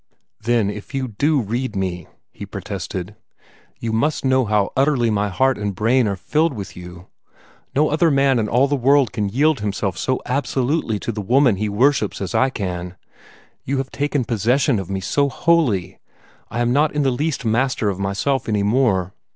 "Then if you do read me," he protested, "you must know how utterly my heart and brain are filled with you. No other man in all the world can yield himself so absolutely to the woman he worships as I can. You have taken possession of me so wholly, I am not in the least master of myself any more.